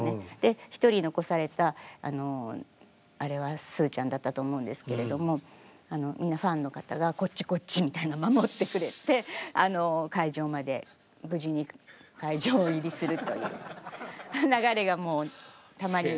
一人残されたあれはスーちゃんだったと思うんですけれどもみんなファンの方が「こっちこっち」みたいな守ってくれて会場まで無事に会場入りするという流れがたまにありましたね。